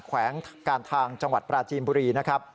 แขวงการทางจังหวัดปราจีนบุรีนะครับ